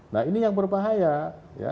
nah ini yang berbahaya